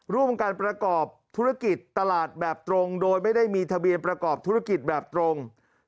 ร่วมกันประกอบธุรกิจตลาดแบบตรงโดยไม่ได้มีทะเบียนประกอบธุรกิจแบบตรง